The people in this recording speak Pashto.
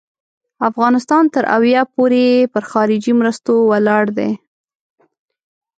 افغانستان تر اویا پوري پر خارجي مرستو ولاړ دی.